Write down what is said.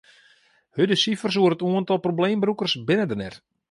Hurde sifers oer it oantal probleembrûkers binne der net.